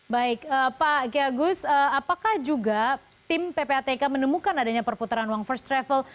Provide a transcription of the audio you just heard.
baik pak kiagus apakah juga tim ppatk menemukan adanya perputaran uang first travel